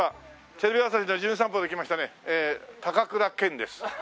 テレビ朝日の『じゅん散歩』で来ましたね高倉健です。